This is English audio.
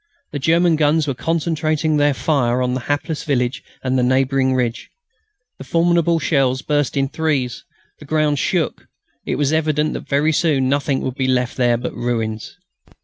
The German guns were concentrating their fire on the hapless village and the neighbouring ridge. The formidable shells burst in threes. The ground shook. It was evident that very soon nothing would be left there but ruins.